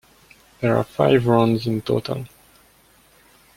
There are five rounds in total.